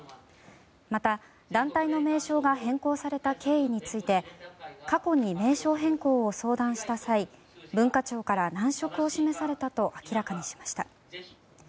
また、団体の名称が変更された経緯について過去に名称変更を相談した際文化庁から難色を示されたと明らかにしました。